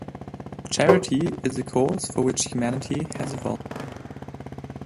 Charity is the cause for which humanity has evolved